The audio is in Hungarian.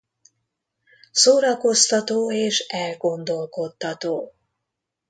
Szórakoztató és elgondolkodtató.